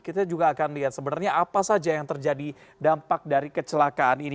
kita juga akan lihat sebenarnya apa saja yang terjadi dampak dari kecelakaan ini